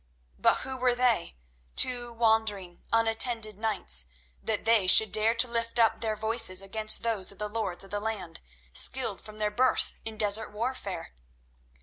But who were they, two wandering, unattended knights, that they should dare to lift up their voices against those of the lords of the land, skilled from their birth in desert warfare?